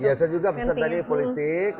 ya saya juga pesan tadi politik